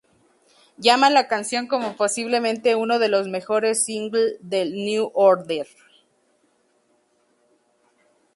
Llama la canción como "posiblemente uno de los mejores singles del New Order".